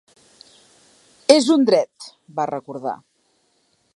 “És un dret”, va recordar.